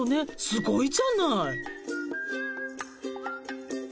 すごいじゃない。